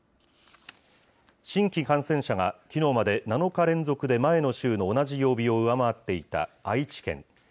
新規感染者が、きのうまで７日連続で前の週の同じ曜日を上回っていた愛知県。